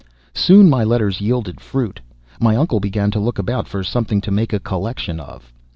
Soon my letters yielded fruit. My uncle began to look about for something to make a collection of.